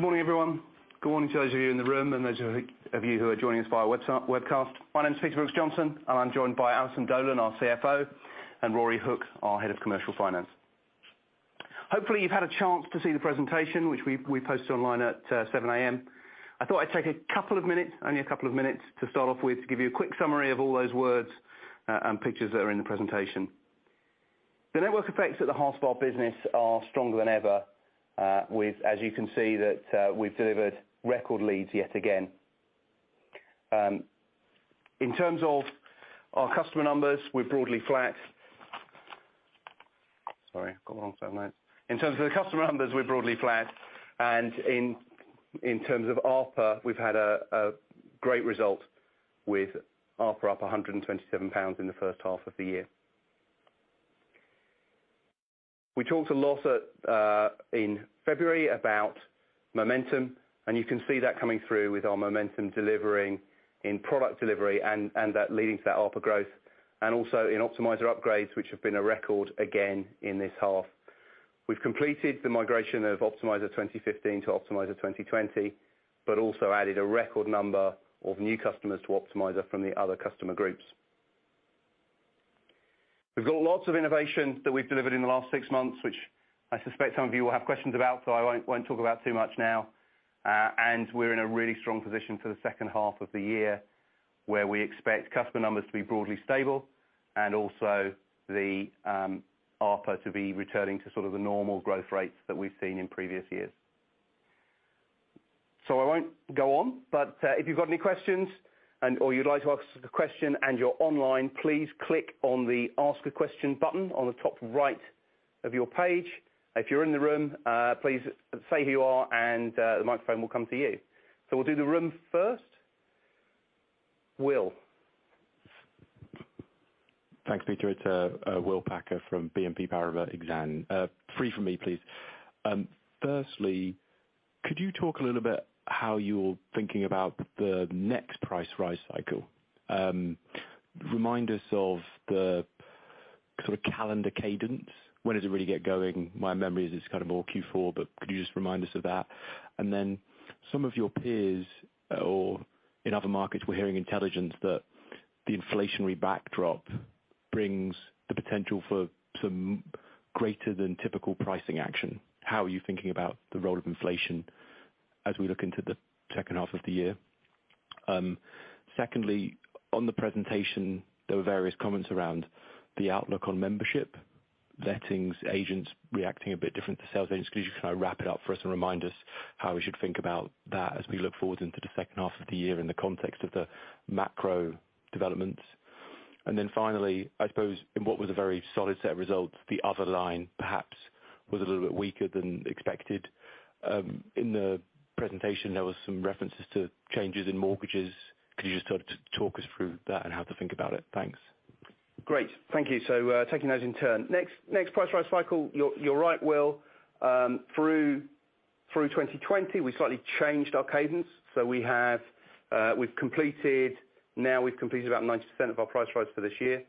Good morning, everyone. Good morning to those of you in the room and those of you who are joining us via webcast. My name is Peter Brooks-Johnson, and I'm joined by Alison Dolan, our CFO, and Ruaridh Hook, our Head of Commercial Finance. Hopefully, you've had a chance to see the presentation, which we posted online at 7 A.M. I thought I'd take a couple of minutes, only a couple of minutes to start off with, to give you a quick summary of all those words and pictures that are in the presentation. The network effects at the heart of our business are stronger than ever, with, as you can see, that we've delivered record leads yet again. In terms of our customer numbers, we're broadly flat. Sorry, got the wrong slide. In terms of the customer numbers, we're broadly flat, and in terms of ARPA, we've had a great result with ARPA up 127 pounds in the first half of the year. We talked a lot in February about momentum, and you can see that coming through with our momentum delivering in product delivery and that leading to that ARPA growth and also in Optimiser upgrades, which have been a record again in this half. We've completed the migration of Optimiser 2015 to Optimiser 2020, but also added a record number of new customers to Optimiser from the other customer groups. We've got lots of innovations that we've delivered in the last six months, which I suspect some of you will have questions about, so I won't talk about too much now. We're in a really strong position for the second half of the year, where we expect customer numbers to be broadly stable and also the ARPA to be returning to sort of the normal growth rates that we've seen in previous years. I won't go on, but if you've got any questions and/or you'd like to ask a question and you're online, please click on the Ask a Question button on the top right of your page. If you're in the room, please say who you are and the microphone will come to you. We'll do the room first. Will. Thanks, Peter. It's Will Packer from BNP Paribas Exane. Three from me, please. Firstly, could you talk a little about how you're thinking about the next price rise cycle? Remind us of the sort of calendar cadence. When does it really get going? My memory is it's kind of all Q4, but could you just remind us of that? Then some of your peers or in other markets, we're hearing intelligence that the inflationary backdrop brings the potential for some greater than typical pricing action. How are you thinking about the role of inflation as we look into the second half of the year? Secondly, on the presentation, there were various comments around the outlook on membership, lettings agents reacting a bit different to sales agents. Could you kind of wrap it up for us and remind us how we should think about that as we look forward into the second half of the year in the context of the macro developments? Finally, I suppose in what was a very solid set of results, the other line perhaps was a little bit weaker than expected. In the presentation, there was some references to changes in mortgages. Could you just talk us through that and how to think about it? Thanks. Great. Thank you. Taking those in turn. Next, price rise cycle, you're right, Will. Through 2020, we slightly changed our cadence. We've completed about 90% of our price rise for this year.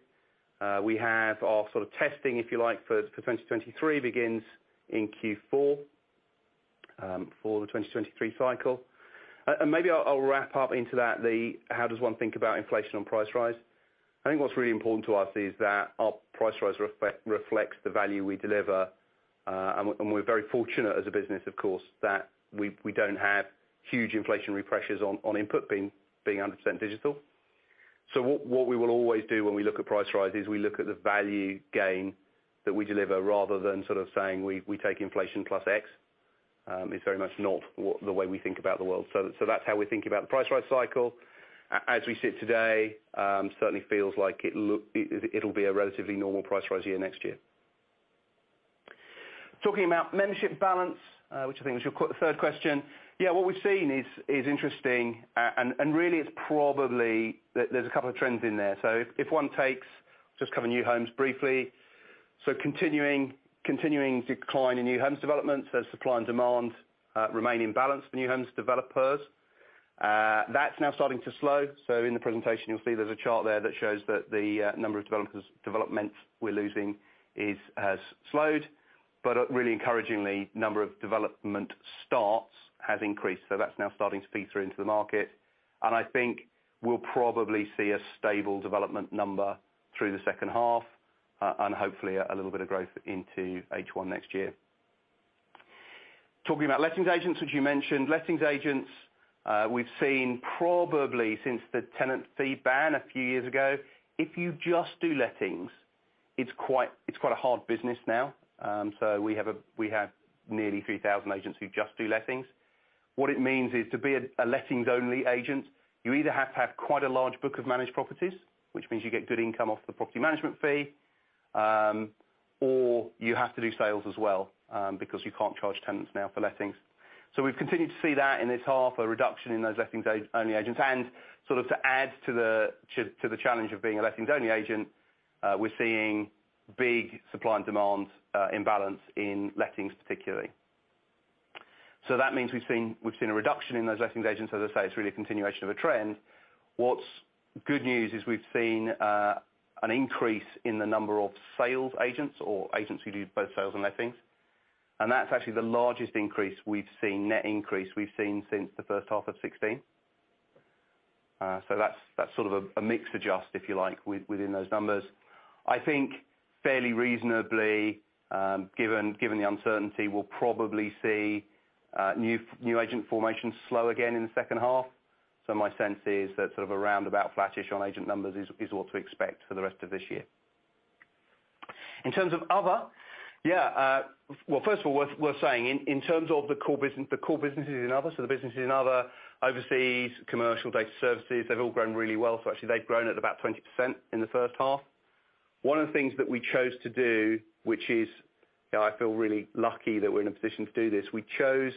We have our sort of testing, if you like, for 2023 begins in Q4 for the 2023 cycle. And maybe I'll wrap up into that the how does one think about inflation on price rise. I think what's really important to us is that our price rise reflects the value we deliver, and we're very fortunate as a business, of course, that we don't have huge inflationary pressures on input being 100% digital. What we will always do when we look at price rise is we look at the value gain that we deliver rather than sort of saying we take inflation plus X. It's very much not the way we think about the world. That's how we think about the price rise cycle. As we sit today, certainly it feels like it'll be a relatively normal price rise year next year. Talking about membership balance, which I think was your third question. What we've seen is interesting, and really it's probably. There's a couple of trends in there. If one takes just to cover new homes briefly, continuing decline in new homes developments as supply and demand remain in balance for new homes developers. That's now starting to slow. In the presentation, you'll see there's a chart there that shows that the number of developments we're losing has slowed. Really encouragingly, number of development starts has increased. That's now starting to feed through into the market. I think we'll probably see a stable development number through the second half, and hopefully a little bit of growth into H1 next year. Talking about lettings agents, which you mentioned. Lettings agents, we've seen probably since the tenant fee ban a few years ago, if you just do lettings, it's quite a hard business now. We have nearly 3,000 agents who just do lettings. What it means is to be a lettings-only agent, you either have to have quite a large book of managed properties, which means you get good income off the property management fee, or you have to do sales as well, because you can't charge tenants now for lettings. We've continued to see that in this half, a reduction in those lettings-only agents. Sort of to add to the challenge of being a lettings-only agent, we're seeing big supply and demand imbalance in lettings particularly. That means we've seen a reduction in those lettings agents. As I say, it's really a continuation of a trend. The good news is we've seen an increase in the number of sales agents or agents who do both sales and lettings, and that's actually the largest increase we've seen, net increase we've seen since the first half of 2016. That's sort of a mixed bag, if you like, within those numbers. I think fairly reasonably, given the uncertainty, we'll probably see new agent formation slow again in the second half. My sense is that sort of around about flattish on agent numbers is what to expect for the rest of this year. In terms of other, well, first of all, worth saying, in terms of the core business, the core businesses in other, so the businesses in other, overseas, commercial data services, they've all grown really well. Actually they've grown at about 20% in the first half. One of the things that we chose to do, which is, you know, I feel really lucky that we're in a position to do this, we chose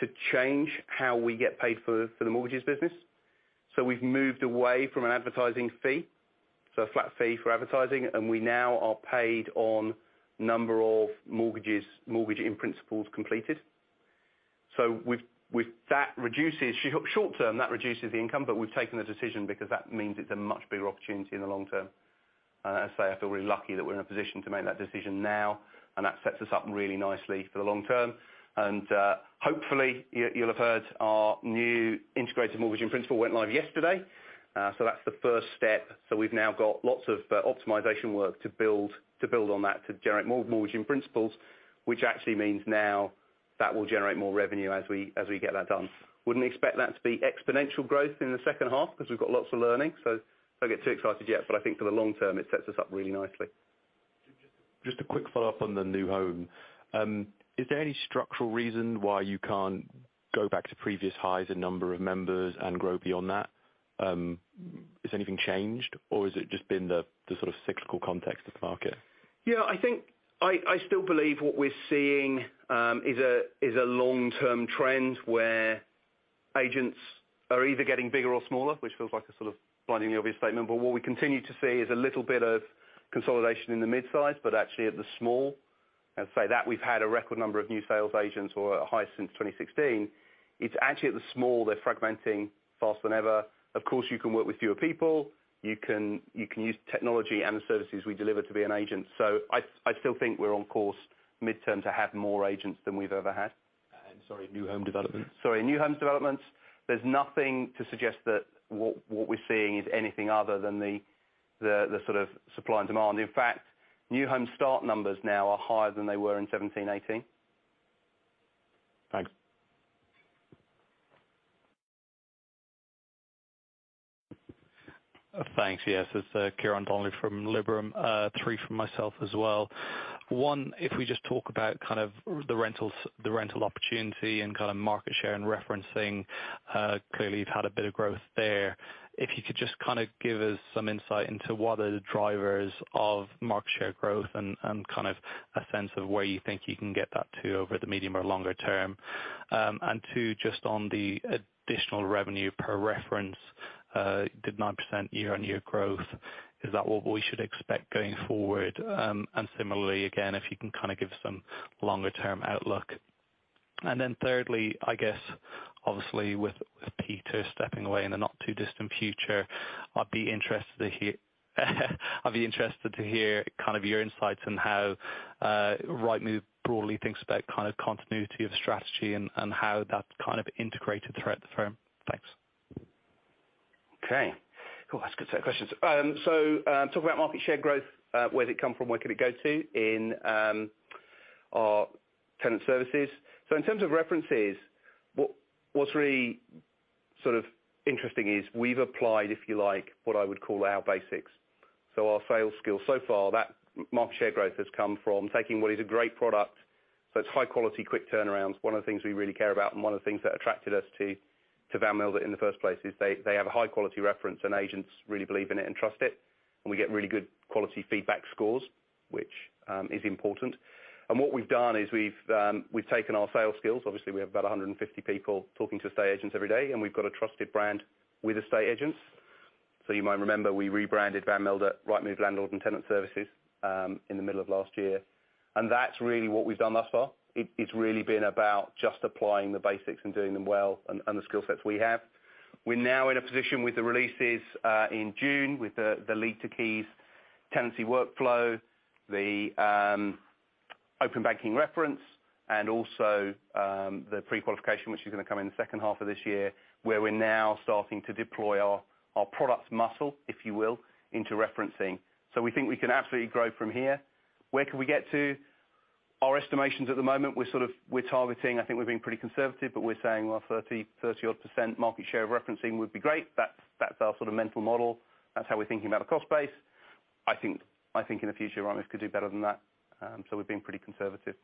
to change how we get paid for the mortgages business. We've moved away from an advertising fee, so a flat fee for advertising, and we now are paid on number of mortgages, Mortgage in Principles completed. That reduces, short term, the income, but we've taken the decision because that means it's a much bigger opportunity in the long term. As I say, I feel really lucky that we're in a position to make that decision now, and that sets us up really nicely for the long term. Hopefully you'll have heard our new integrated Mortgage in Principle went live yesterday. That's the first step. We've now got lots of optimization work to build on that to generate more Mortgage in Principles, which actually means now that will generate more revenue as we get that done. Wouldn't expect that to be exponential growth in the second half because we've got lots of learning, so don't get too excited yet, but I think for the long term, it sets us up really nicely. Just a quick follow-up on the new home. Is there any structural reason why you can't go back to previous highs in number of members and grow beyond that? Has anything changed or has it just been the sort of cyclical context of the market? Yeah, I think I still believe what we're seeing is a long-term trend where agents are either getting bigger or smaller, which feels like a sort of blindingly obvious statement, but what we continue to see is a little bit of consolidation in the mid-size, but actually at the small. I'd say that we've had a record number of new sales agents who are at a high since 2016. It's actually at the small, they're fragmenting faster than ever. Of course, you can work with fewer people. You can use technology and the services we deliver to be an agent. I still think we're on course mid-term to have more agents than we've ever had. Sorry, new home developments? Sorry, new homes developments, there's nothing to suggest that what we're seeing is anything other than the sort of supply and demand. In fact, new home start numbers now are higher than they were in 2017-2018. Thanks. Thanks. Yes, it's Ciarán Donnelly from Liberum. Three from myself as well. One, if we just talk about kind of the rentals, the rental opportunity and kind of market share and referencing, clearly you've had a bit of growth there. If you could just kind of give us some insight into what are the drivers of market share growth and kind of a sense of where you think you can get that to over the medium or longer term. And two, just on the additional revenue per reference, the 9% year-on-year growth, is that what we should expect going forward? And similarly, again, if you can kind of give some longer term outlook. Then thirdly, I guess obviously with Peter stepping away in the not too distant future, I'd be interested to hear kind of your insights on how Rightmove broadly thinks about kind of continuity of strategy and how that's kind of integrated throughout the firm. Thanks. Okay. Oh, that's a good set of questions. Talk about market share growth, where did it come from? Where could it go to in our tenant services. In terms of references, what's really sort of interesting is we've applied, if you like, what I would call our basics. Our sales skills so far, that market share growth has come from taking what is a great product. It's high quality, quick turnarounds, one of the things we really care about and one of the things that attracted us to Van Mildert in the first place is they have a high quality reference, and agents really believe in it and trust it. We get really good quality feedback scores, which is important. What we've done is we've taken our sales skills. Obviously, we have about 150 people talking to estate agents every day, and we've got a trusted brand with estate agents. You might remember we rebranded Van Mildert, Rightmove Landlord and Tenant Services, in the middle of last year. That's really what we've done thus far. It's really been about just applying the basics and doing them well and the skill sets we have. We're now in a position with the releases in June with the Lead to Keys tenancy workflow, the Open Banking reference, and also the pre-qualification, which is gonna come in the second half of this year, where we're now starting to deploy our product muscle, if you will, into referencing. We think we can absolutely grow from here. Where can we get to? Our estimations at the moment, we're targeting. I think we're being pretty conservative, but we're saying, well, 30% odd market share of referencing would be great. That's our sort of mental model. That's how we're thinking about the cost base. I think in the future, Rightmove could do better than that. We're being pretty conservative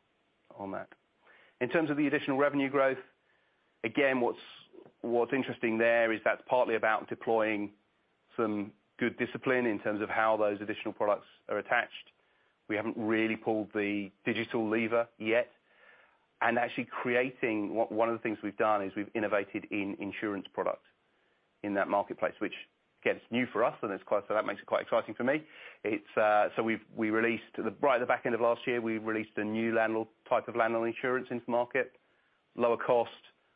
on that. In terms of the additional revenue growth, again, what's interesting there is that's partly about deploying some good discipline in terms of how those additional products are attached. We haven't really pulled the digital lever yet. Actually creating, one of the things we've done is we've innovated in insurance product in that marketplace, which again, it's new for us, and it's quite, so that makes it quite exciting for me. We released right at the back end of last year a new landlord type of landlord insurance into market. Lower cost,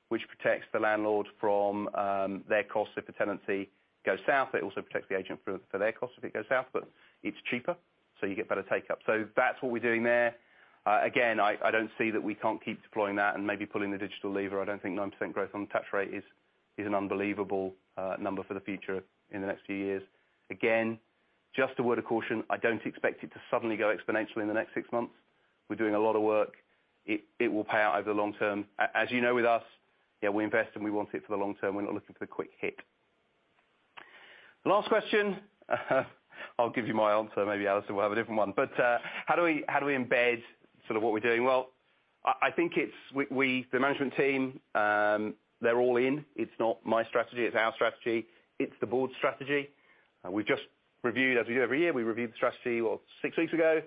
which protects the landlord from their costs if a tenancy goes south. It also protects the agent from their costs if it goes south. But it's cheaper, so you get better take-up. That's what we're doing there. Again, I don't see that we can't keep deploying that and maybe pulling the digital lever. I don't think 9% growth on touch rate is an unbelievable number for the future in the next few years. Again, just a word of caution. I don't expect it to suddenly go exponentially in the next six months. We're doing a lot of work. It will pay out over the long term. As you know, with us, yeah, we invest and we want it for the long term. We're not looking for the quick hit. Last question. I'll give you my answer, maybe Alison will have a different one. But how do we embed sort of what we're doing? Well, I think the management team, they're all in. It's not my strategy, it's our strategy. It's the board's strategy. We've just reviewed, as we do every year, we reviewed the strategy six weeks ago.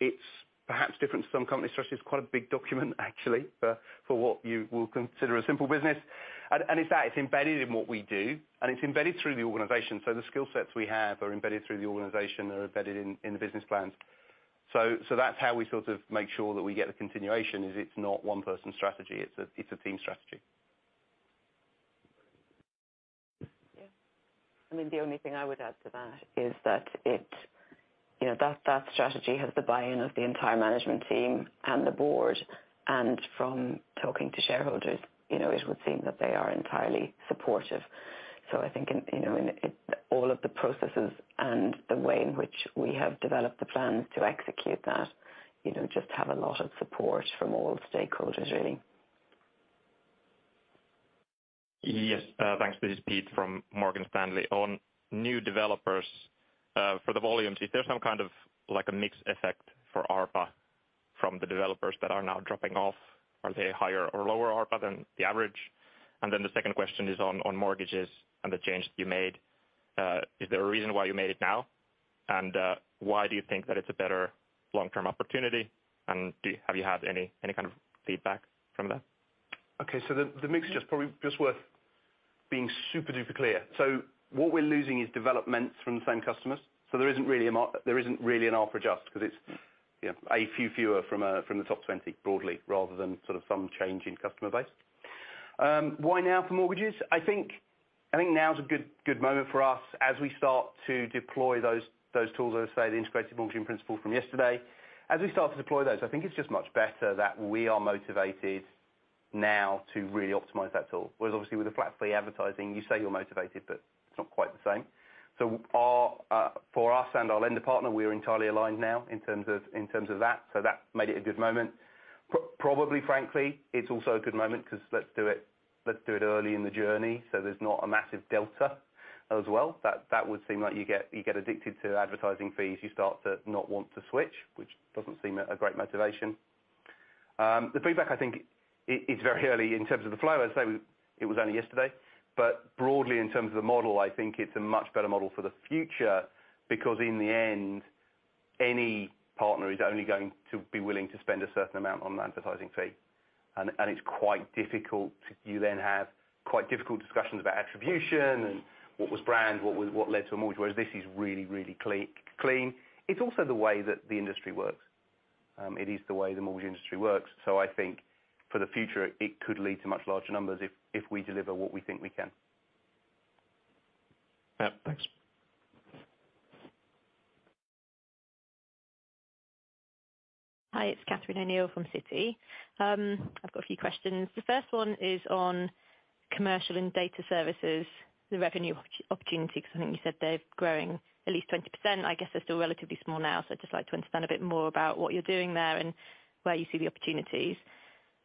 It's perhaps different to some companies. Actually, it's quite a big document actually for what you will consider a simple business. It's that it's embedded in what we do, and it's embedded through the organization. The skill sets we have are embedded through the organization, in the business plans. That's how we sort of make sure that we get the continuation, is it's not one person's strategy. It's a team strategy. Yeah. I mean, the only thing I would add to that is that it, you know, that strategy has the buy-in of the entire management team and the board. From talking to shareholders, you know, it would seem that they are entirely supportive. I think in, you know, in all of the processes and the way in which we have developed the plans to execute that, you know, just have a lot of support from all stakeholders, really. Yes. Thanks. This is Pete from Morgan Stanley. On new developers, for the volumes, is there some kind of like a mix effect for ARPA from the developers that are now dropping off? Are they higher or lower ARPA than the average? And then the second question is on mortgages and the change that you made. Is there a reason why you made it now? And why do you think that it's a better long-term opportunity? And have you had any kind of feedback from that? Okay. The mix is probably worth being super-duper clear. What we're losing is developments from the same customers. There isn't really an ARPA adjust because it's a few fewer from the top 20 broadly rather than sort of some change in customer base. Why now for mortgages? I think now is a good moment for us as we start to deploy those tools, as I say, the integrated Mortgage in Principle from yesterday. As we start to deploy those, I think it's just much better that we are motivated now to really optimize that tool. Whereas obviously with the flat fee advertising, you say you're motivated, but it's not quite the same. For us and our lender partner, we are entirely aligned now in terms of that. That made it a good moment. Probably frankly, it's also a good moment because let's do it early in the journey so there's not a massive delta as well. That would seem like you get addicted to advertising fees, you start to not want to switch, which doesn't seem a great motivation. The feedback I think is very early in terms of the flow. As I say, it was only yesterday. Broadly in terms of the model, I think it's a much better model for the future because in the end, any partner is only going to be willing to spend a certain amount on an advertising fee. It's quite difficult. You then have quite difficult discussions about attribution and what was brand, what led to a mortgage, whereas this is really, really clean. It's also the way that the industry works. It is the way the mortgage industry works. I think for the future it could lead to much larger numbers if we deliver what we think we can. Thanks. Hi, it's Catherine O'Neill from Citi. I've got a few questions. The first one is on commercial and data services, the revenue opportunity, because I think you said they're growing at least 20%. I guess they're still relatively small now, so I'd just like to understand a bit more about what you're doing there and where you see the opportunities.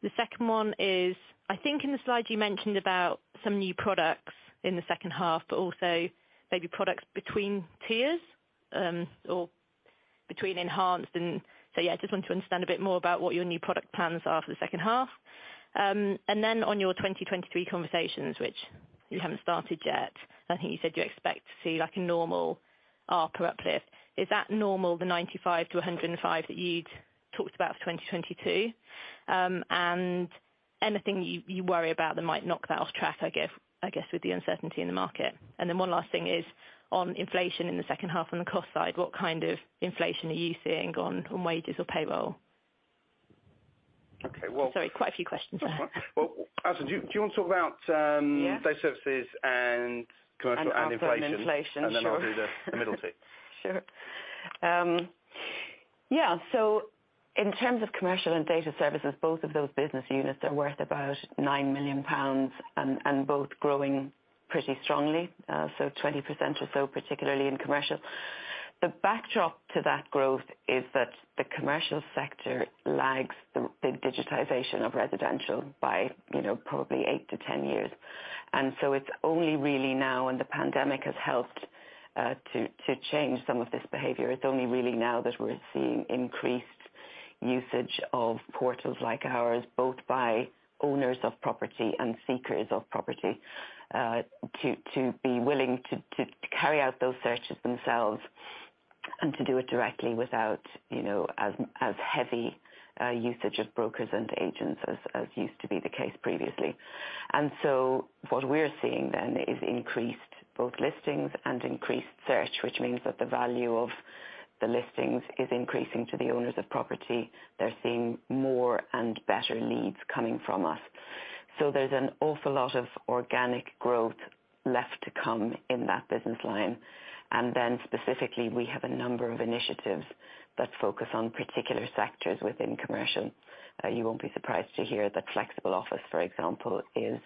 The second one is, I think in the slide you mentioned about some new products in the second half, but also maybe products between tiers, or between enhanced and. So yeah, I just want to understand a bit more about what your new product plans are for the second half. And then on your 2023 conversations, which you haven't started yet, I think you said you expect to see like a normal ARPA uplift. Is that normal, the 95-105 that you'd talked about for 2022? Anything you worry about that might knock that off track, I guess, with the uncertainty in the market. One last thing is on inflation in the second half on the cost side, what kind of inflation are you seeing on wages or payroll? Okay, well. Sorry, quite a few questions there. Well, Alison, do you wanna talk about? Yeah. Data services and commercial and inflation? ARPA and inflation, sure. I'll do the middle two. Sure. In terms of commercial and data services, both of those business units are worth about 9 million pounds and both growing pretty strongly. 20% or so, particularly in commercial. The backdrop to that growth is that the commercial sector lags the digitization of residential by, you know, probably eight to 10 years. It's only really now, and the pandemic has helped to change some of this behavior. It's only really now that we're seeing increased usage of portals like ours, both by owners of property and seekers of property, to be willing to carry out those searches themselves and to do it directly without, you know, as heavy usage of brokers and agents as used to be the case previously. What we're seeing then is increased both listings and increased search, which means that the value of the listings is increasing to the owners of property. They're seeing more and better leads coming from us. There's an awful lot of organic growth left to come in that business line. Specifically, we have a number of initiatives that focus on particular sectors within commercial. You won't be surprised to hear that flexible office, for example, is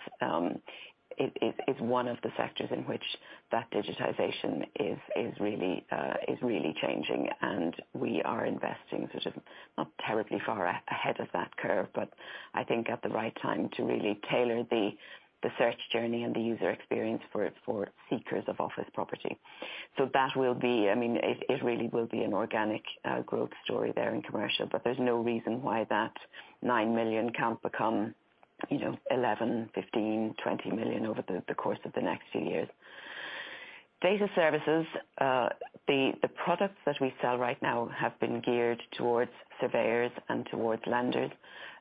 one of the sectors in which that digitization is really changing, and we are investing sort of not terribly far ahead of that curve, but I think at the right time to really tailor the search journey and the user experience for seekers of office property. That will be, I mean, it really will be an organic growth story there in commercial. There's no reason why that 9 million can't become, you know, 11, 15, 20 million over the course of the next few years. Data services, the products that we sell right now have been geared towards surveyors and towards lenders.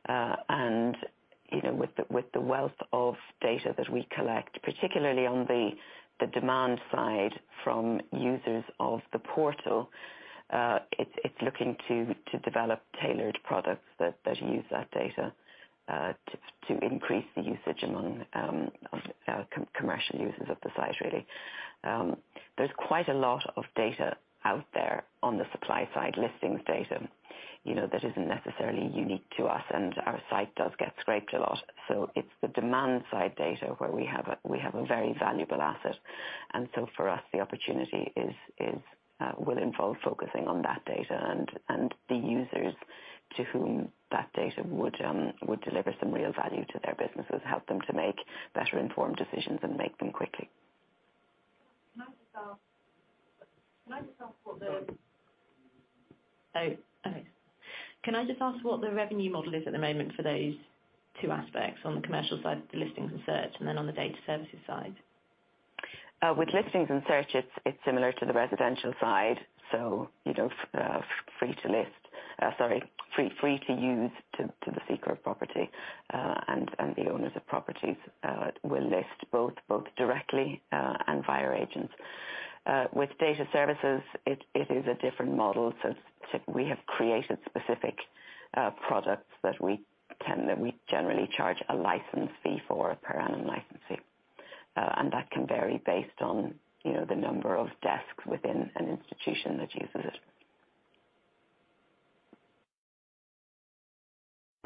You know, with the wealth of data that we collect, particularly on the demand side from users of the portal, it's looking to develop tailored products that use that data to increase the usage among commercial users of the site, really. There's quite a lot of data out there on the supply side, listings data, you know, that isn't necessarily unique to us, and our site does get scraped a lot. It's the demand side data where we have a very valuable asset. For us, the opportunity will involve focusing on that data and the users to whom that data would deliver some real value to their businesses, help them to make better informed decisions and make them quickly. Can I just ask what the- Sorry. Oh, okay. Can I just ask what the revenue model is at the moment for those two aspects on the commercial side, the listings and search, and then on the data services side? With listings and search, it's similar to the residential side. You know, free to list. Sorry, free to use to the seeker of property, and the owners of properties will list both directly and via agents. With data services, it is a different model. We have created specific products that we generally charge a license fee for, per annum license fee. That can vary based on, you know, the number of desks within an institution that uses it.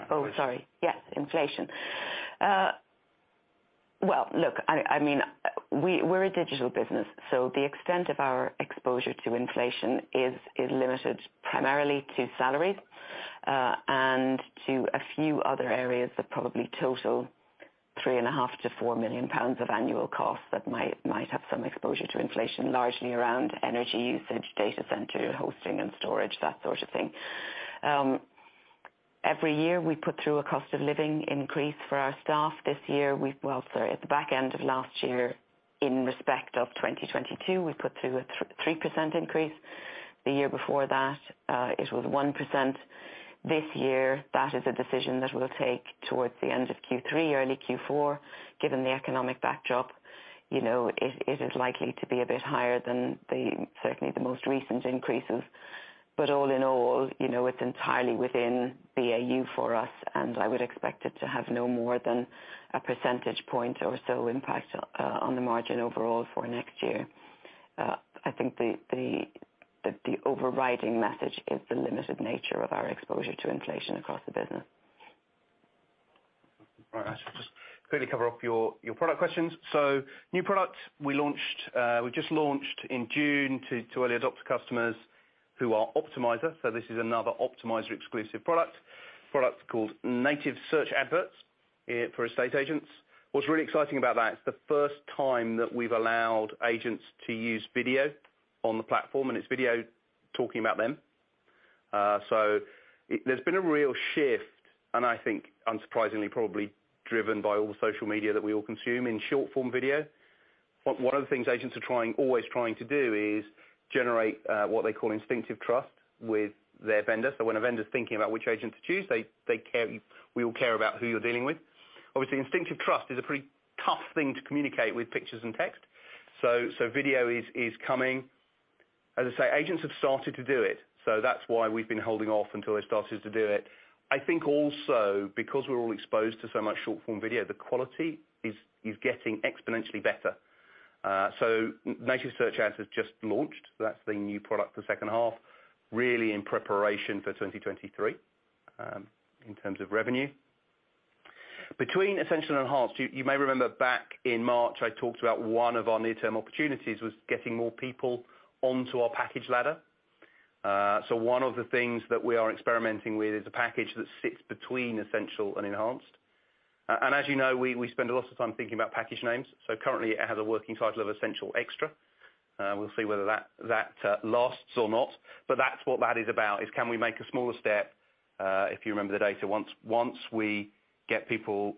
Oh, sorry. Yes, inflation. Well, look, I mean, we're a digital business, so the extent of our exposure to inflation is limited primarily to salaries, and to a few other areas that probably total 3.5 million-4 million pounds of annual costs that might have some exposure to inflation, largely around energy usage, data center hosting and storage, that sort of thing. Every year, we put through a cost of living increase for our staff. This year, well, sorry, at the back end of last year, in respect of 2022, we put through a 3% increase. The year before that, it was 1%. This year, that is a decision that we'll take towards the end of Q3, early Q4, given the economic backdrop. You know, it is likely to be a bit higher than the, certainly the most recent increases. All in all, you know, it's entirely within the AOP for us, and I would expect it to have no more than a percentage point or so impact on the margin overall for next year. I think the overriding message is the limited nature of our exposure to inflation across the business. All right. I'll just quickly cover off your product questions. New product we launched, we just launched in June to early adopter customers who are Optimiser. This is another Optimiser exclusive product called Native Search Adverts for estate agents. What's really exciting about that, it's the first time that we've allowed agents to use video on the platform, and it's video talking about them. There's been a real shift, and I think unsurprisingly probably driven by all the social media that we all consume in short-form video. One of the things agents are trying, always trying to do is generate what they call instinctive trust with their vendor. When a vendor's thinking about which agent to choose, they care, we all care about who you're dealing with. Obviously, instinctive trust is a pretty tough thing to communicate with pictures and text. So video is coming. As I say, agents have started to do it, so that's why we've been holding off until they started to do it. I think also because we're all exposed to so much short-form video, the quality is getting exponentially better. So Native Search Adverts has just launched. That's the new product for second half, really in preparation for 2023, in terms of revenue. Between Essential and Enhanced, you may remember back in March, I talked about one of our near-term opportunities was getting more people onto our package ladder. So one of the things that we are experimenting with is a package that sits between Essential and Enhanced. As you know, we spend a lot of time thinking about package names. Currently it has a working title of Essential Extra. We'll see whether that lasts or not, but that's what that is about, is can we make a smaller step? If you remember the data, once we get people,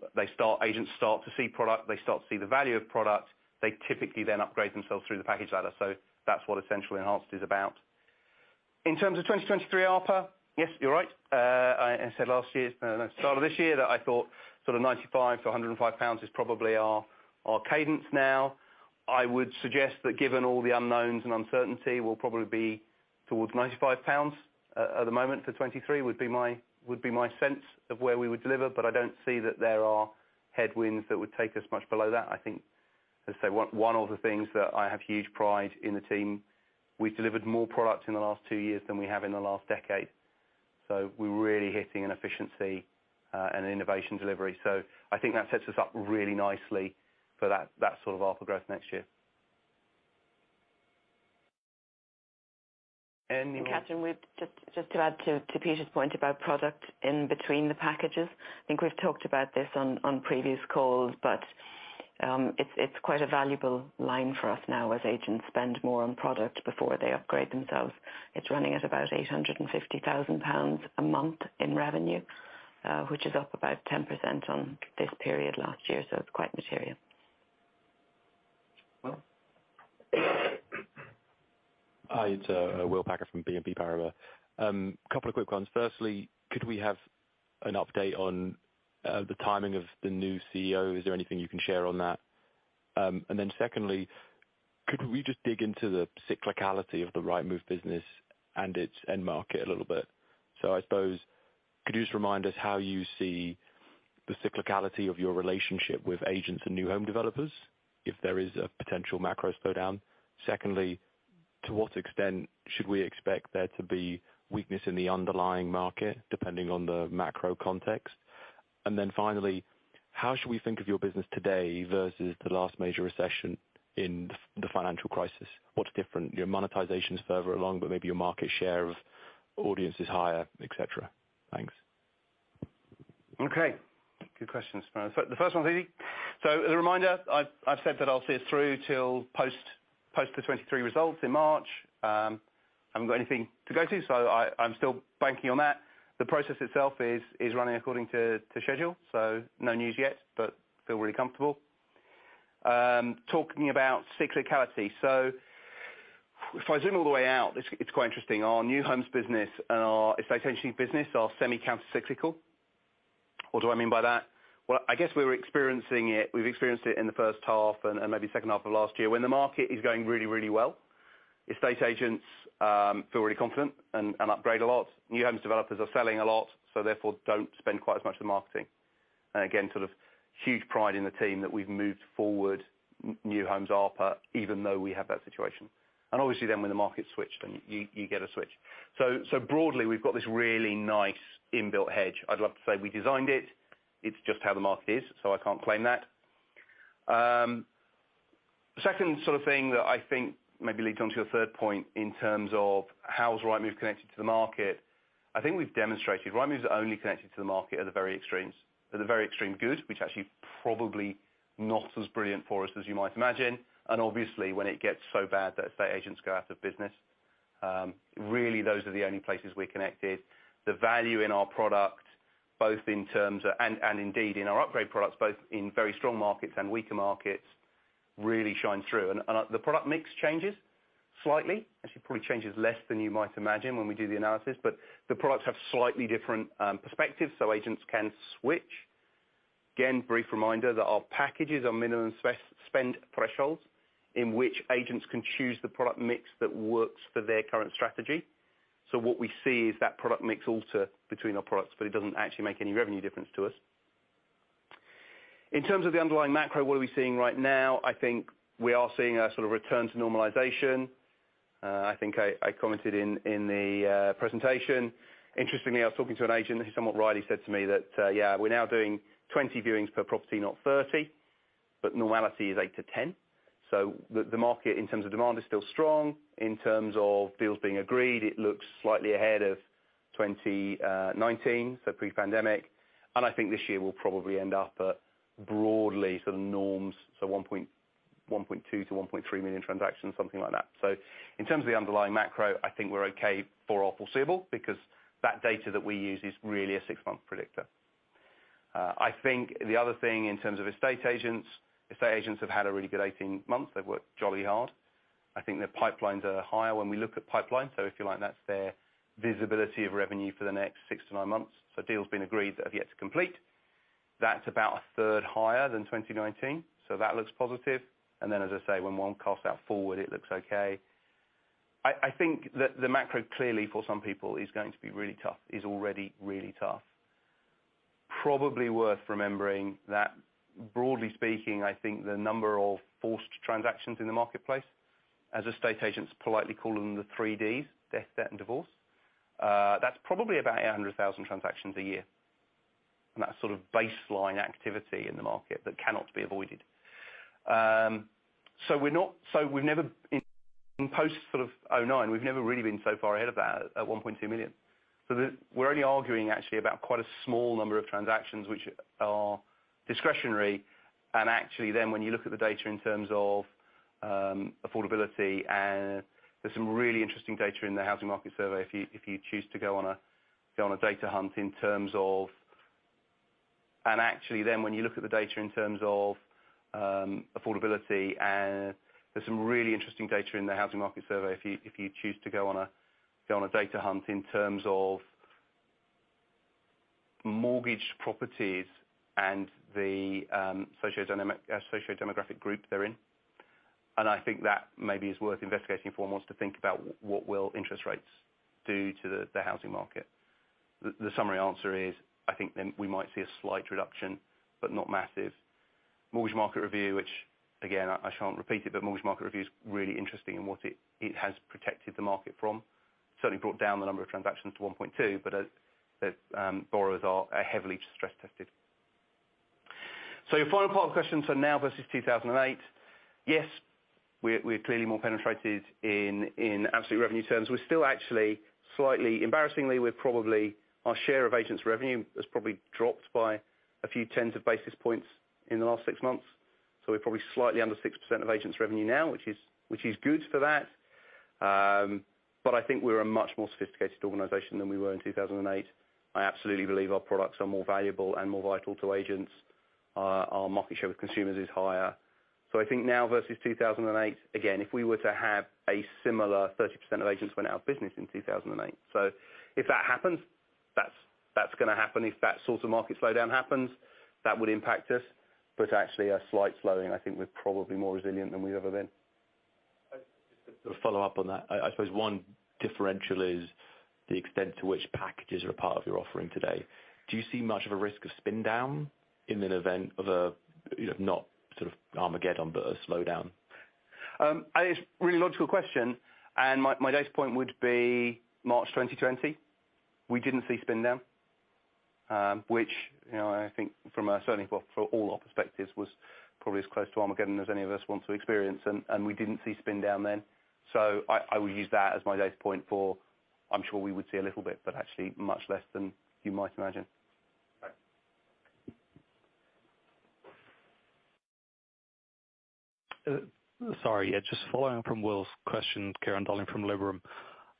agents start to see product, they start to see the value of product, they typically then upgrade themselves through the package ladder. That's what Essential and Enhanced is about. In terms of 2023 ARPA, yes, you're right. I said last year, no, start of this year that I thought sort of 95-105 pounds is probably our cadence now. I would suggest that given all the unknowns and uncertainty, we'll probably be towards 95 pounds at the moment for 2023 would be my sense of where we would deliver. I don't see that there are headwinds that would take us much below that. I think, as I say, one of the things that I have huge pride in the team, we've delivered more product in the last two years than we have in the last decade. We're really hitting an efficiency, and an innovation delivery. I think that sets us up really nicely for that sort of ARPA growth next year. Anyone- Catherine, just to add to Peter's point about product in between the packages, I think we've talked about this on previous calls, but it's quite a valuable line for us now as agents spend more on product before they upgrade themselves. It's running at about 850,000 pounds a month in revenue, which is up about 10% on this period last year. It's quite material. Will? Hi, it's Will Packer from BNP Paribas Exane. Couple of quick ones. Firstly, could we have an update on the timing of the new CEO? Is there anything you can share on that? Secondly, could we just dig into the cyclicality of the Rightmove business and its end market a little bit? I suppose, could you just remind us how you see the cyclicality of your relationship with agents and new home developers if there is a potential macro slowdown? Secondly, to what extent should we expect there to be weakness in the underlying market, depending on the macro context? Finally, how should we think of your business today versus the last major recession in the financial crisis? What's different? Your monetization's further along, but maybe your market share of audience is higher, et cetera. Thanks. Okay. Good questions. The first one's easy. As a reminder, I've said that I'll see us through till post the 2023 results in March. I haven't got anything to go to, so I'm still banking on that. The process itself is running according to schedule. No news yet, but feel really comfortable. Talking about cyclicality. If I zoom all the way out, it's quite interesting. Our new homes business and our estate agency business are semi-countercyclical. What do I mean by that? Well, I guess we were experiencing it, we've experienced it in the first half and maybe second half of last year. When the market is going really, really well, estate agents feel really confident and upgrade a lot. New homes developers are selling a lot, so therefore don't spend quite as much on marketing. Again, sort of huge pride in the team that we've moved forward new homes ARPA, even though we have that situation. Obviously then when the market's switched and you get a switch. Broadly, we've got this really nice inbuilt hedge. I'd love to say we designed it. It's just how the market is, so I can't claim that. Second sort of thing that I think maybe leads on to your third point in terms of how is Rightmove connected to the market, I think we've demonstrated Rightmove is only connected to the market at the very extremes. At the very extreme good, which actually probably not as brilliant for us as you might imagine, and obviously when it gets so bad that estate agents go out of business. Really those are the only places we're connected. The value in our product, and indeed in our upgrade products, both in very strong markets and weaker markets really shine through. The product mix changes slightly. Actually probably changes less than you might imagine when we do the analysis. The products have slightly different perspectives, so agents can switch. Again, brief reminder that our packages are minimum spend thresholds in which agents can choose the product mix that works for their current strategy. What we see is that product mix alter between our products, but it doesn't actually make any revenue difference to us. In terms of the underlying macro, what are we seeing right now? I think we are seeing a sort of return to normalization. I think I commented in the presentation. Interestingly, I was talking to an agent. This is something he said to me that, yeah, we're now doing 20 viewings per property, not 30, but normality is eight to 10. The market in terms of demand is still strong. In terms of deals being agreed, it looks slightly ahead of 2019, so pre-pandemic. I think this year we'll probably end up at broadly sort of norms, so 1.1-1.3 million transactions, something like that. In terms of the underlying macro, I think we're okay for foreseeable because that data that we use is really a six-month predictor. I think the other thing in terms of estate agents, estate agents have had a really good 18 months. They've worked jolly hard. I think their pipelines are higher when we look at pipeline. If you like, that's their visibility of revenue for the next six to nine months. Deals being agreed that have yet to complete. That's about a third higher than 2019. That looks positive. Then, as I say, when one casts that forward, it looks okay. I think that the macro clearly for some people is going to be really tough, is already really tough. Probably worth remembering that broadly speaking, I think the number of forced transactions in the marketplace as estate agents politely call them the three Ds, death, debt, and divorce, that's probably about 800,000 transactions a year. That's sort of baseline activity in the market that cannot be avoided. We've never in post sort of 2009 really been so far ahead of that at 1.2 million. We're only arguing actually about quite a small number of transactions which are discretionary. Actually then when you look at the data in terms of affordability, and there's some really interesting data in the housing market survey, if you choose to go on a data hunt in terms of mortgage properties and the socio-demographic group they're in. I think that maybe is worth investigating if one wants to think about what will interest rates do to the housing market. The summary answer is, I think we might see a slight reduction, but not massive. Mortgage Market Review, which again, I shan't repeat it, but Mortgage Market Review is really interesting in what it has protected the market from. Certainly brought down the number of transactions to 1.2, but as the borrowers are heavily stress tested. Your final part of the question, now versus 2008, yes, we're clearly more penetrated in absolute revenue terms. We're still actually slightly, embarrassingly, we're probably our share of agents' revenue has probably dropped by a few tens of basis points in the last six months. We're probably slightly under 6% of agents' revenue now, which is good for that. I think we're a much more sophisticated organization than we were in 2008. I absolutely believe our products are more valuable and more vital to agents. Our market share with consumers is higher. I think now versus 2008, again, if we were to have a similar 30% of agents went out of business in 2008. If that happens, that's gonna happen. If that sort of market slowdown happens, that would impact us. Actually a slight slowing, I think we're probably more resilient than we've ever been. Just a follow-up on that. I suppose one differential is the extent to which packages are a part of your offering today. Do you see much of a risk of spin down in an event of a, you know, not sort of Armageddon, but a slowdown? I think it's a really logical question, and my base point would be March 2020. We didn't see spin down, which, you know, I think certainly for all our perspectives was probably as close to Armageddon as any of us want to experience and we didn't see spin down then. I would use that as my base point. I'm sure we would see a little bit, but actually much less than you might imagine. Okay. Sorry, yeah, just following up from Will's question, Ciarán Donnelly from Liberum.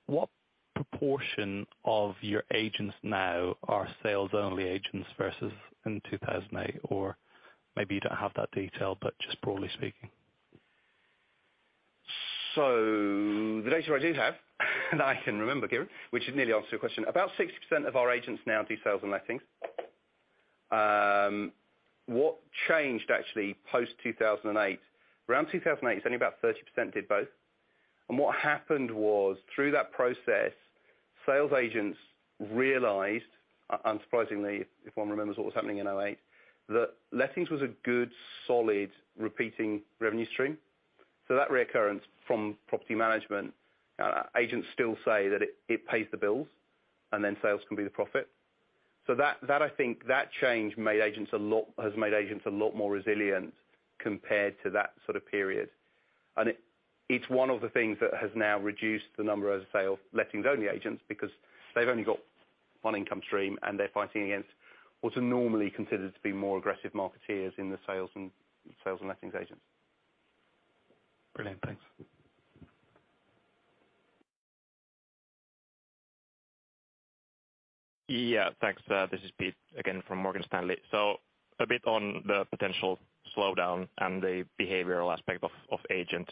What proportion of your agents now are sales only agents versus in 2008? Or maybe you don't have that detail, but just broadly speaking. The data I do have, and I can remember Ciarán, which has nearly answered your question, about 60% of our agents now do sales and lettings. What changed actually post 2008, around 2008, it's only about 30% did both. What happened was through that process, sales agents realized, unsurprisingly, if one remembers what was happening in 2008, that lettings was a good, solid repeating revenue stream. That reoccurrence from property management, agents still say that it pays the bills and then sales can be the profit. I think that change has made agents a lot more resilient compared to that sort of period. It's one of the things that has now reduced the number of lettings only agents because they've only got one income stream, and they're fighting against what are normally considered to be more aggressive marketeers in the sales and lettings agents. Brilliant. Thanks. Yeah. Thanks. This is Pete again from Morgan Stanley. A bit on the potential slowdown and the behavioral aspect of agents.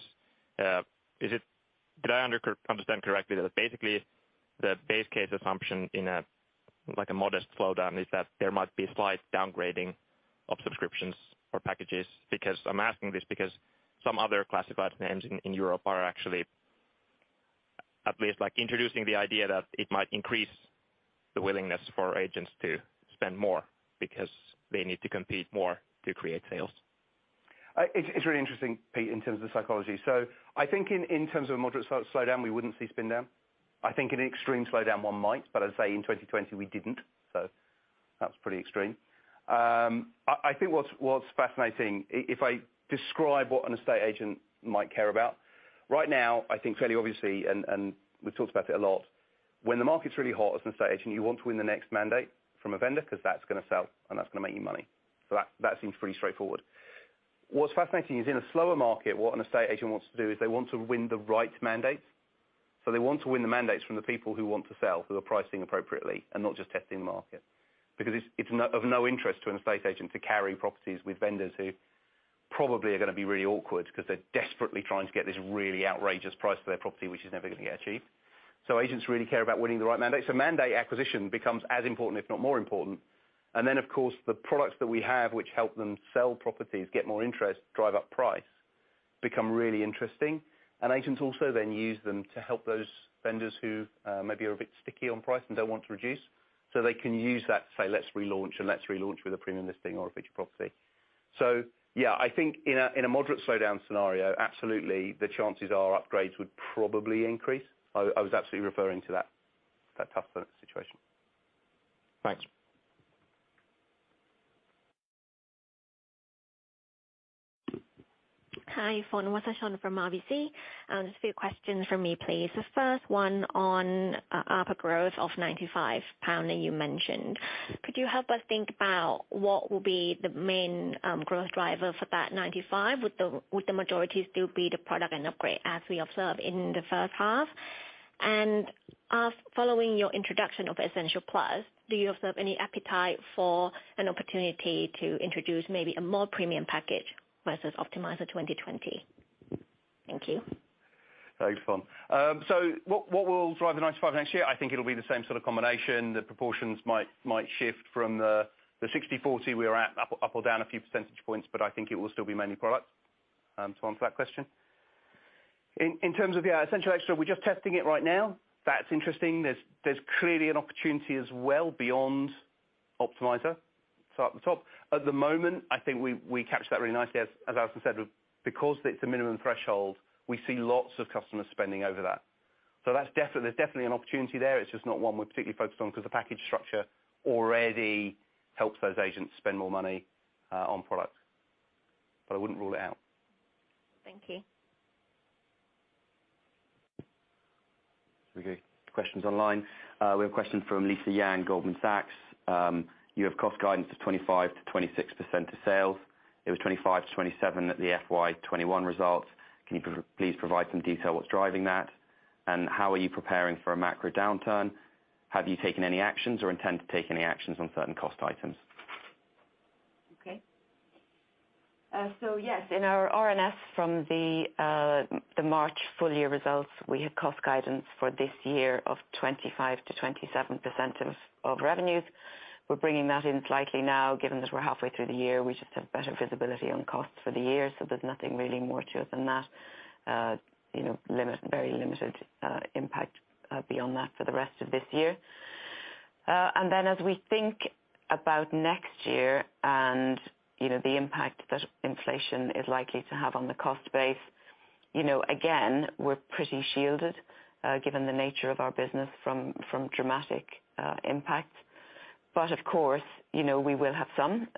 Did I understand correctly that basically the base case assumption in a, like, a modest slowdown is that there might be slight downgrading of subscriptions or packages? Because I'm asking this because some other classified names in Europe are actually at least, like, introducing the idea that it might increase the willingness for agents to spend more because they need to compete more to create sales. It's really interesting, Pete, in terms of psychology. I think in terms of a moderate slowdown, we wouldn't see spin down. I think in an extreme slowdown one might, but I'd say in 2020 we didn't, so that's pretty extreme. I think what's fascinating if I describe what an estate agent might care about right now, I think fairly obviously, and we've talked about it a lot, when the market's really hot as an estate agent, you want to win the next mandate from a vendor 'cause that's gonna sell and that's gonna make you money. That seems pretty straightforward. What's fascinating is in a slower market, what an estate agent wants to do is they want to win the right mandate. They want to win the mandates from the people who want to sell, who are pricing appropriately and not just testing the market. It's of no interest to an estate agent to carry properties with vendors who probably are gonna be really awkward because they're desperately trying to get this really outrageous price for their property, which is never gonna get achieved. Agents really care about winning the right mandate. Mandate acquisition becomes as important, if not more important. Of course, the products that we have which help them sell properties, get more interest, drive up price, become really interesting. Agents also then use them to help those vendors who maybe are a bit sticky on price and don't want to reduce. They can use that to say, "Let's relaunch and let's relaunch with a Premium Listing Mortgaged Property." Yeah, I think in a moderate slowdown scenario, absolutely the chances are upgrades would probably increase. I was absolutely referring to that tough situation. Thanks. Hi, Fon Wassachon from RBC. Just two questions from me please. The first one on upper growth of 95 pound that you mentioned. Could you help us think about what will be the main growth driver for that 95? Would the majority still be the product and upgrade as we observe in the first half? As following your introduction of Essential Plus, do you observe any appetite for an opportunity to introduce maybe a more premium package versus Optimiser 2020? Thank you. Thanks, Fon. So what will drive the 95 next year? I think it'll be the same sort of combination. The proportions might shift from the 60/40 we're at, up or down a few percentage points, but I think it will still be mainly products, to answer that question. In terms of the Essential Extra, we're just testing it right now. That's interesting. There's clearly an opportunity as well beyond Optimiser. So at the top. At the moment, I think we capture that really nicely, as Alison said, because it's a minimum threshold, we see lots of customer spending over that. So that's definitely. There's definitely an opportunity there. It's just not one we're particularly focused on because the package structure already helps those agents spend more money, on products. But I wouldn't rule it out. Thank you. Okay. Questions online. We have a question from Lisa Yang, Goldman Sachs. You have cost guidance of 25%-26% of sales. It was 25%-27% at the FY 2021 results. Can you please provide some detail what's driving that? And how are you preparing for a macro downturn? Have you taken any actions or intend to take any actions on certain cost items? Okay. Yes, in our RNS from the March full year results, we had cost guidance for this year of 25%-27% of revenues. We're bringing that in slightly now, given that we're halfway through the year. We just have better visibility on costs for the year, so there's nothing really more to it than that. You know, very limited impact beyond that for the rest of this year. As we think about next year and, you know, the impact that inflation is likely to have on the cost base, you know, again, we're pretty shielded, given the nature of our business from dramatic impact. Of course, you know, we will have some,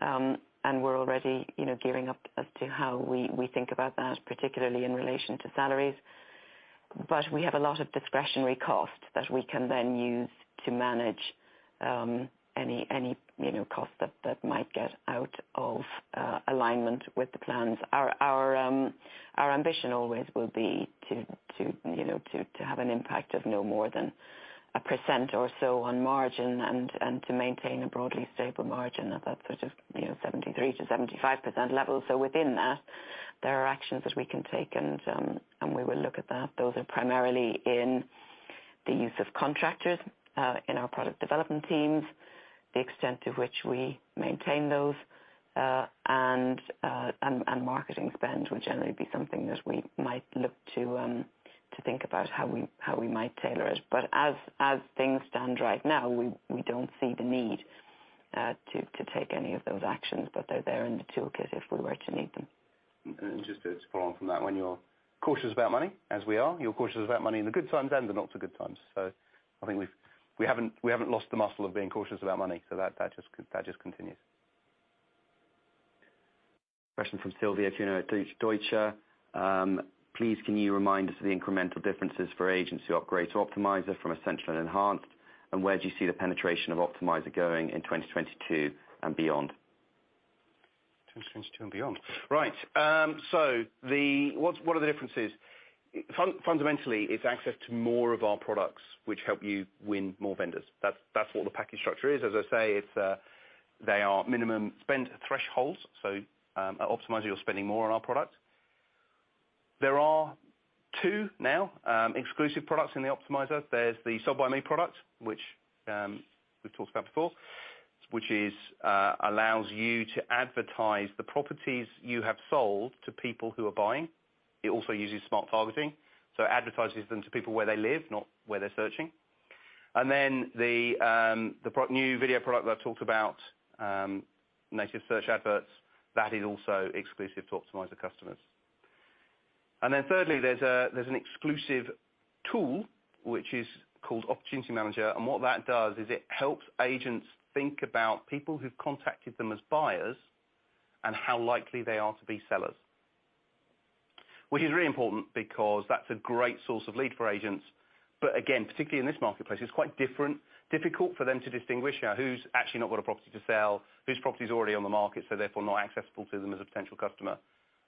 and we're already, you know, gearing up as to how we think about that, particularly in relation to salaries. We have a lot of discretionary costs that we can then use to manage any, you know, cost that might get out of alignment with the plans. Our ambition always will be to, you know, have an impact of no more than 1% or so on margin and to maintain a broadly stable margin at that sort of, you know, 73%-75% level. Within that, there are actions that we can take and we will look at that. Those are primarily in the use of contractors in our product development teams, the extent to which we maintain those, and marketing spend would generally be something that we might look to think about how we might tailor it. As things stand right now, we don't see the need to take any of those actions, but they're there in the toolkit if we were to need them. Just to follow on from that, when you're cautious about money, as we are, you're cautious about money in the good times and the not so good times. I think we haven't lost the muscle of being cautious about money. That just continues. Question from Silvia Cuneo at Deutsche. Please, can you remind us of the incremental differences for agents who upgrade to Optimiser from Essential and Enhanced? And where do you see the penetration of Optimiser going in 2022 and beyond? 2022 and beyond. Right. What are the differences? Fundamentally, it's access to more of our products which help you win more vendors. That's what the package structure is. As I say, it's, they are minimum spend thresholds, so, at Optimiser, you're spending more on our product. There are two now exclusive products in the Optimiser. There's the Sold By Me product, which we've talked about before, which is allows you to advertise the properties you have sold to people who are buying. It also uses smart targeting, so advertises them to people where they live, not where they're searching. Then the new video product that I talked about, Native Search Adverts, that is also exclusive to Optimiser customers. There's an exclusive tool which is called Opportunity Manager, and what that does is it helps agents think about people who've contacted them as buyers and how likely they are to be sellers. Which is really important because that's a great source of lead for agents. Again, particularly in this marketplace, it's quite difficult for them to distinguish who's actually not got a property to sell, whose property is already on the market, so therefore not accessible to them as a potential customer.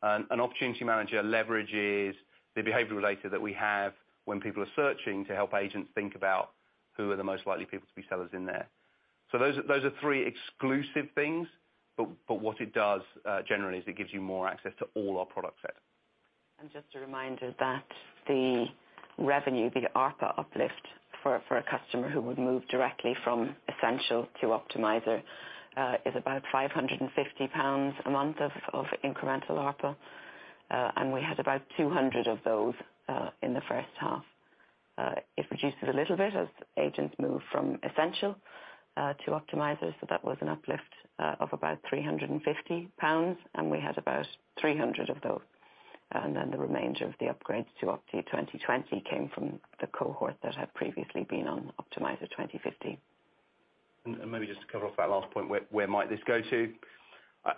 Opportunity Manager leverages the behavior data that we have when people are searching to help agents think about who are the most likely people to be sellers in there. Those are three exclusive things. What it does, generally, is it gives you more access to all our product set. Just a reminder that the revenue, the ARPA uplift for a customer who would move directly from Essential to Optimiser, is about 550 pounds a month of incremental ARPA. We had about 200 of those in the first half. It reduces a little bit as agents move from Essential to Optimiser, so that was an uplift of about 350 pounds, and we had about 300 of those. Then the remainder of the upgrades to Optimiser 2020 came from the cohort that had previously been on Optimiser 2015. Maybe just to cover off that last point, where might this go to?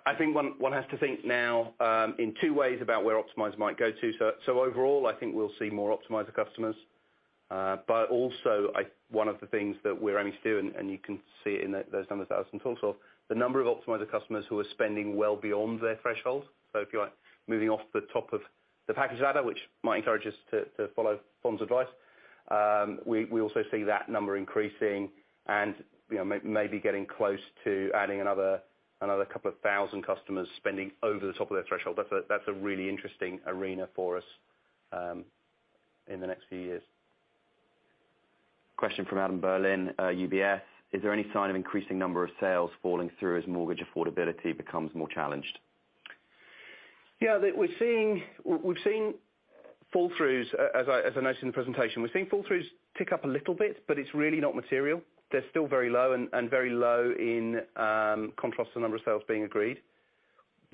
I think one has to think now in two ways about where Optimiser might go to. Overall, I think we'll see more Optimiser customers. Also, one of the things that we're aiming to do, and you can see it in those numbers Alison talked of, the number of Optimiser customers who are spending well beyond their threshold. If you're moving off the top of the package ladder, which might encourage us to follow Fon's advice, we also see that number increasing and, you know, maybe getting close to adding another couple of thousand customers spending over the top of their threshold. That's a really interesting arena for us in the next few years. Question from Adam Berlin, UBS. Is there any sign of increasing number of sales falling through as mortgage affordability becomes more challenged? Yeah, we're seeing, we've seen fall throughs, as I noted in the presentation, we're seeing fall throughs tick up a little bit, but it's really not material. They're still very low and very low in contrast to the number of sales being agreed.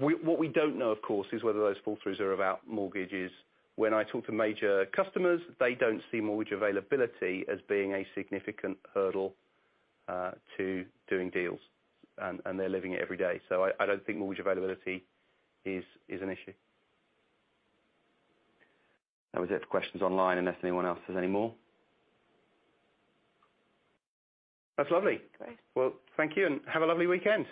What we don't know, of course, is whether those fall throughs are about mortgages. When I talk to major customers, they don't see mortgage availability as being a significant hurdle to doing deals, and they're living it every day. I don't think mortgage availability is an issue. That was it for questions online, unless anyone else has any more. That's lovely. Great. Well, thank you, and have a lovely weekend.